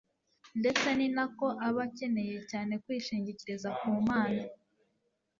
ndetse ni nako aba akeneye cyane kwishingikiriza ku mana